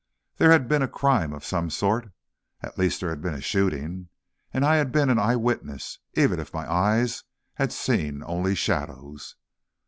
There had been a crime of some sort, at least, there had been a shooting, and I had been an eye witness, even if my eyes had seen only shadows.